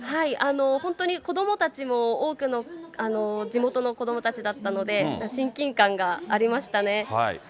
本当に子どもたちも多くの地元の子どもたちだったので、親近感がありましたね。